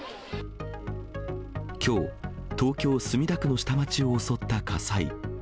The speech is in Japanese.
きょう、東京・墨田区の下町を襲った火災。